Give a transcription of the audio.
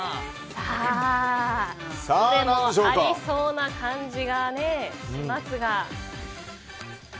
どれもありそうな感じがしますが。